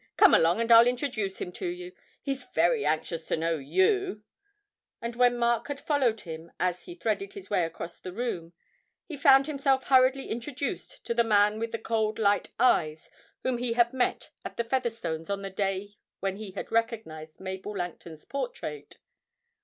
Come along and I'll introduce him to you; he's very anxious to know you.' And when Mark had followed him as he threaded his way across the room, he found himself hurriedly introduced to the man with the cold light eyes whom he had met at the Featherstones' on the day when he had recognised Mabel Langton's portrait.